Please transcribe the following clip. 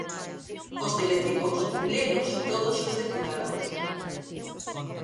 Os teletipos lenos todos os deputados.